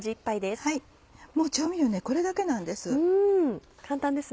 調味料これだけなんです。